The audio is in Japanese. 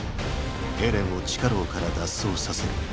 エレンを地下牢から脱走させる。